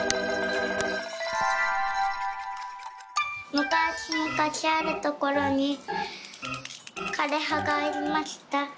「むかしむかしあるところにかれはがありました」。